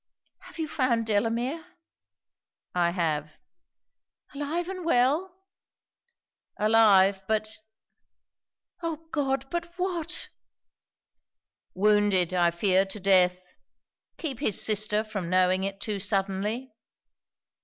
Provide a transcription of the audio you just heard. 'Have you found Delamere?' 'I have.' 'Alive and well?' 'Alive but ' 'Oh! God! but what?' 'Wounded, I fear, to death. Keep his sister from knowing it too suddenly.'